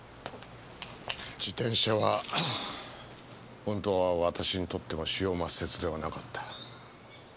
自転車はホントは私にとっても枝葉末節ではなかった。